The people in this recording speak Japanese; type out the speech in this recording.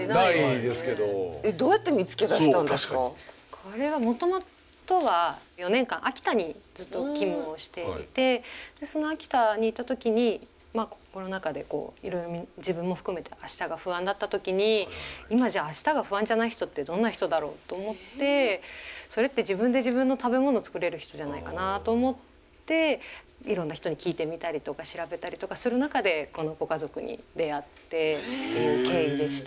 これはもともとは４年間秋田にずっと勤務をしていてその秋田にいた時にコロナ禍でいろいろ自分も含めて明日が不安だった時に今じゃあ明日が不安じゃない人ってどんな人だろうと思ってそれって自分で自分の食べ物を作れる人じゃないかなと思っていろんな人に聞いてみたりとか調べたりとかする中でこのご家族に出会ってっていう経緯でした。